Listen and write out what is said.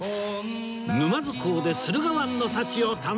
沼津港で駿河湾の幸を堪能